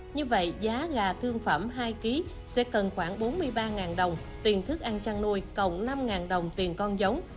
như vậy giá gà thương phẩm hai kg sẽ cần khoảng bốn mươi ba đồng tiền thức ăn chăn nuôi cộng năm đồng tiền con giống